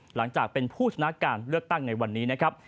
หลังจากเป็นผู้ชนะการเลือกตั้งในวันนี้นะครับ